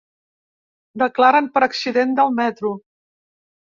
Declaren per l’accident del metro.